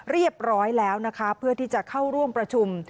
เรียบร้อยแล้วนะคะเพื่อที่จะเข้าร่วมประชุม